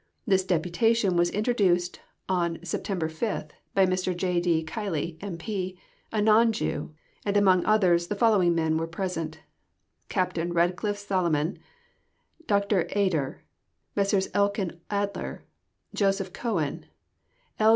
This deputation was introduced on Sept. 5th by Mr. J. D. Kiley, M.P., a non Jew, and among others the following men were present: Captain Redcliffe Salaman, Dr. Eder, Messrs. Elkin Adler, Joseph Cowen, L.